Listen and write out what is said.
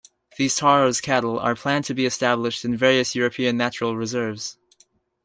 These Tauros cattle are planned to be established in various European natural reserves.